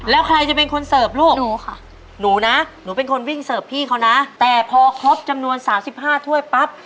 แล้วใครจะเป็นคนเสิร์ฟลูกหนูค่ะหนูนะหนูเป็นคนวิ่งเสิร์ฟพี่เขานะแต่พอครบจำนวน๓๕ถ้วยปั๊บ